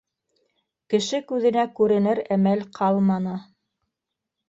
- Кеше күҙенә күренер әмәл ҡалманы.